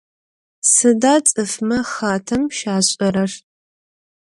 Сыда цӏыфмэ хатэм щашӏэрэр?